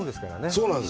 そうなんですよ。